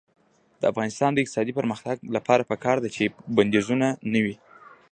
د افغانستان د اقتصادي پرمختګ لپاره پکار ده چې بندیزونه نه وي.